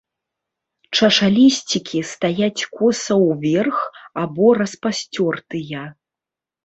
Чашалісцікі стаяць коса ўверх або распасцёртыя.